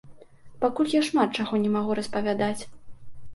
Пакуль я шмат чаго не магу распавядаць.